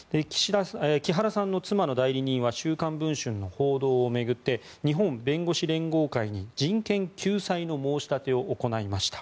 木原さんの妻の代理人は「週刊文春」の報道を巡って日本弁護士連合会に人権救済の申し立てを行いました。